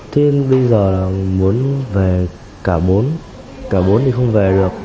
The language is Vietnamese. thế em bây giờ muốn về cả bốn cả bốn thì không về được